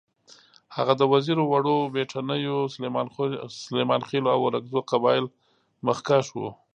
هغه د وزیرو، وړو بېټنیو، سلیمانخېلو او اورکزو قبایلو مخکښ وو.